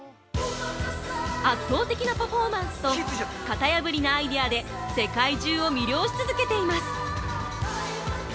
圧倒的なパフォーマンスと型破りなアイデアで世界中を魅了し続けています！